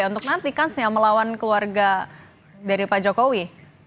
untuk nanti kansnya melawan keluarga dari pak jokowi